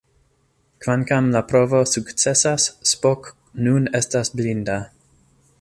Kvankam la provo sukcesas, Spock nun estas blinda.